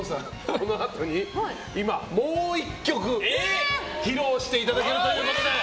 このあとに今、もう１曲披露していただけるということで。